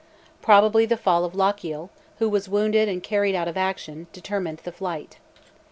Probably the fall of Lochiel, who was wounded and carried out of action, determined the flight.